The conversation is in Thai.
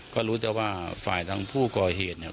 ก็รู้แต่ว่าฝ่ายทางผู้ก่อเหตุเนี่ย